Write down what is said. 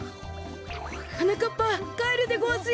はなかっぱかえるでごわすよ。